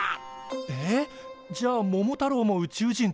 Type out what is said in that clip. えっじゃあ桃太郎も宇宙人ってこと。